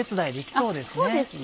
そうですね